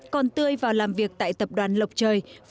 còn tươi vào làm việc tại tập đoàn lộc trời với giá chín mươi triệu đồng